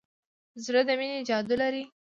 زړه د مینې جادو لري.